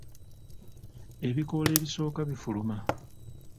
Ebikoola ebisooka bifuluma.